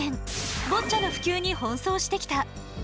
ボッチャの普及に奔走してきた。